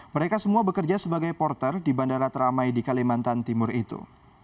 mereka semua bekerja sebagai porter di bandara teramai di kalimantan timur itu